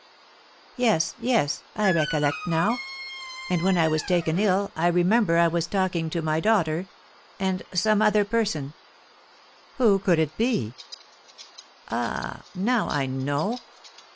"Yes, yes, I recollect now; and when I was taken ill I remember I was talking with my daughter, and some other person, who could it be? Ah, now I know!